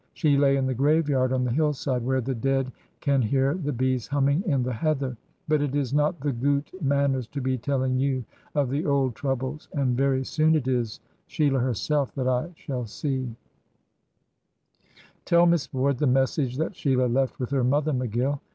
She lay in the graveyard on the hillside, where the dead can hear the bees humming in the heather. But it is not the goot manners to be telling you of the old troubles, and very soon it is Sheila herself that I shall see." "Tell Miss Ward the message that Sheila left with her mother, McGill."